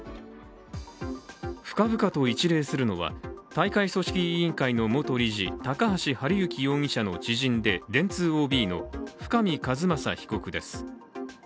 深々と一礼するのは、大会組織委員会の元理事・高橋治之容疑者の知人で電通ＯＢの深見和政被告です。